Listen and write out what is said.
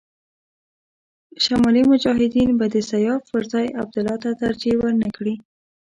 شمالي مجاهدین به د سیاف پر ځای عبدالله ته ترجېح ور نه کړي.